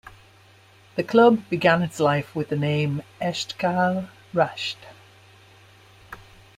The club began its life with the name, Esteghlal Rasht.